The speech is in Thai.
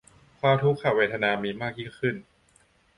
ความทุกขเวทนามีมากยิ่งขึ้น